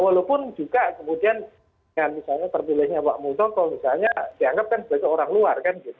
walaupun juga kemudian dengan misalnya terpilihnya pak muldoko misalnya dianggap kan sebagai orang luar